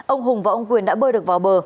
ông hùng và ông quyền đã bơi được vào bờ